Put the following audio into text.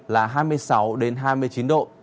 là hai mươi sáu đến hai mươi chín độ